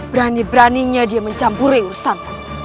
berani beraninya dia mencampuri urusan